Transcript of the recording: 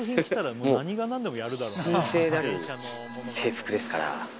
もう神聖なる制服ですから。